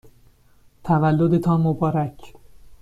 تولدتان مبارک!